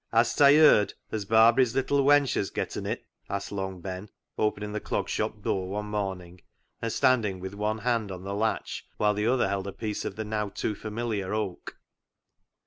" Has ta yerd as Barbary's little wench has getten it ?" asked Long Ben, opening the Clog Shop door one morning, and standing with one hand on the latch, whilst the other held a piece of the now too familiar oak.